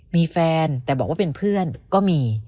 มีแฟนแต่บอกว่าเป็นเพื่อนก็มี